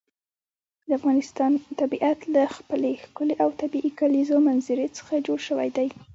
د افغانستان طبیعت له خپلې ښکلې او طبیعي کلیزو منظره څخه جوړ شوی دی.